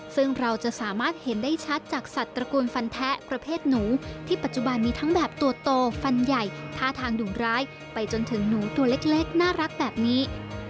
ซึ่งเราจะสามารถเห็นได้ชัดจากสัตว์ตระกูลฟันแท้ประเภทหนูที่ปัจจุบันมีทั้งแบบตัวโตฟันใหญ่ท่าทางดุงร้ายไปจนถึงหนูตัวเล็กน่ารักแบบนี้